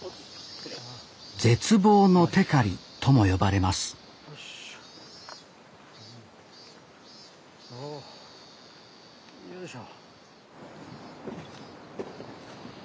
「絶望のてかり」とも呼ばれますよいしょ。